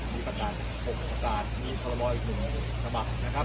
มีปัญหา๖ประกาศมีทะละบอล๑สมัครนะครับ